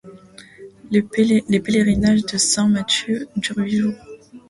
Les pèlerinages de Saint-Mathieu durent huit jours.